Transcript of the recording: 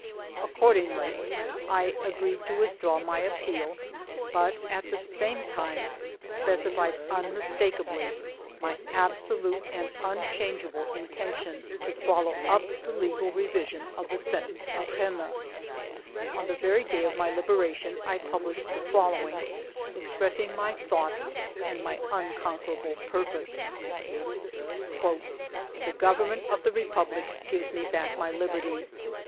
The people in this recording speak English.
Accord ingly, I agreed to withdraw my appeal, but at the same time specified unmistakably my absolute and unchangeable intention to follow up the legal revision of the sentence of Rennes. On the very day of my liberation, I published 310 FIVE YEARS OF MY LIFE the following, expressing my thought and my unconquerable purpose :—" The Government of the Republic gives me back my liberty.